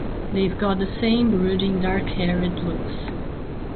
They've got the same brooding dark-haired looks.